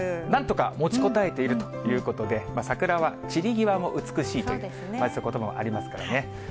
なんとか持ちこたえているということで、桜は散り際も美しいということばもありますからね。